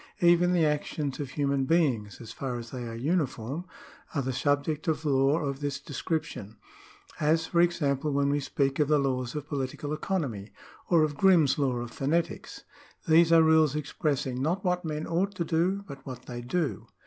Even the actions of human beings, so far as they are uniform, are the subject of law of this description : as, for example, when we speak of the laws of political economy, or of Grimm's law of phonetics. These are rules expressing not what men ought to do, but what they do.